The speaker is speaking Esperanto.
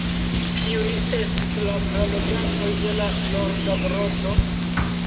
Kiuj estis la praloĝantoj de la norda groto?